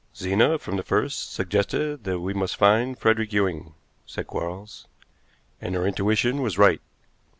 "Zena from the first suggested that we must find Frederick Ewing," said Quarles; "and her intuition was right.